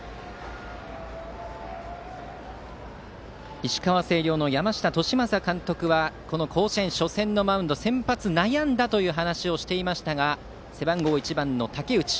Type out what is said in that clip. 石川・星稜の山下智将監督はこの甲子園初戦のマウンド先発に悩んだという話をしていましたが背番号１番の武内